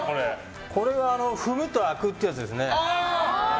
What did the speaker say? これは踏むと開くやつですね。